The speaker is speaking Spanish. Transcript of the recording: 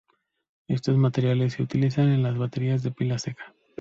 Estos materiales, se utilizan en las baterías de pila seca.